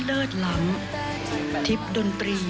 และไม่เคยรู้เลย